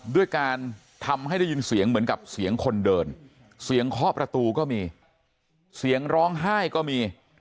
ด้วยการทำให้ได้ยินเสียงเหมือนกับเสียงคนเดินเสียงเคาะประตูก็มีเสียงร้องไห้ก็มี